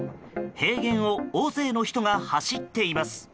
平原を大勢の人が走っています。